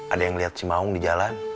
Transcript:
ada yang liat si maung di jalan